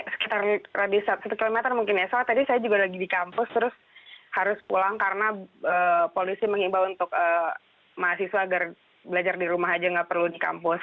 sekitar satu km mungkin ya soal tadi saya juga lagi di kampus terus harus pulang karena polisi mengimbau untuk mahasiswa agar belajar di rumah aja nggak perlu di kampus